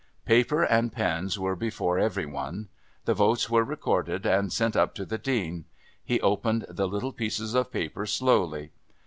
Paper and pens were before every one. The votes were recorded and sent up to the Dean. He opened the little pieces of paper slowly.